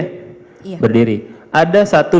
iya berdiri ada satu